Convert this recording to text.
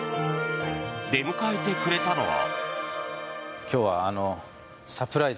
出迎えてくれたのは。